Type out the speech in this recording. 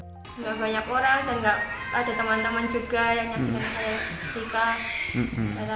tidak banyak orang dan tidak ada teman teman juga yang menyaksikan saya bernikah